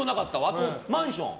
あと、マンション。